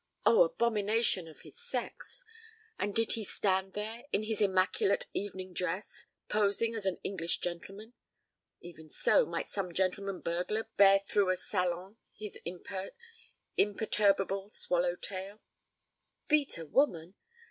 Oh, abomination of his sex! And did he stand there, in his immaculate evening dress, posing as an English gentleman? Even so might some gentleman burglar bear through a salon his imperturbable swallow tail. Beat a woman!